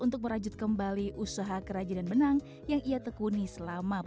bukan pinjaman bukan kredit tapi hibah